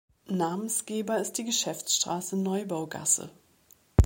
Namensgeber ist die Geschäftsstraße Neubaugasse.